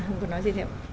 anh hùng có nói gì nữa